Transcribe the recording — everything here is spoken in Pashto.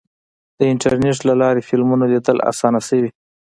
د انټرنیټ له لارې فلمونه لیدل اسانه شوي.